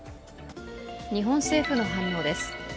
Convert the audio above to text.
日本政府の反応です。